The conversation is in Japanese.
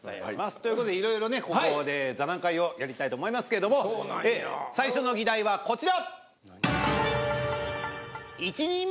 という事でいろいろここで座談会をやりたいと思いますけれども最初の議題はこちら。